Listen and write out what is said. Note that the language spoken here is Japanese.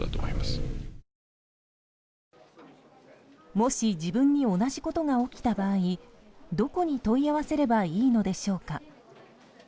もし、自分に同じことが起きた場合どこに問い合わせればいいのでしょうか。